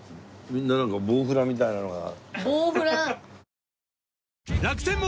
みんななんかボウフラみたいなのが。